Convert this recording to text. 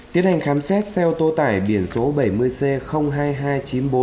tiến hành khám xét xe ô tô tải biển số bảy mươi c hai nghìn hai trăm chín mươi bốn